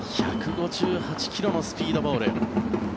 １５８ｋｍのスピードボール。